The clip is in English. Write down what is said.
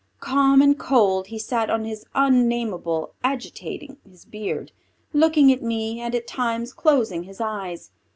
Calm and cold he sat on his unnamable, agitating his beard, looking at me and at times closing his eyes.